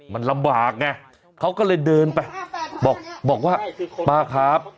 มันลำบากไงเขาก็เลยเดินไปบอกว่าป้าครับ